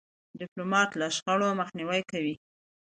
ډيپلومات له شخړو مخنیوی کوي.